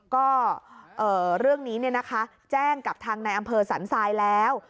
ก็เรื่องนี้แจ้งกับทางในอำเภอสันทรายแล้ว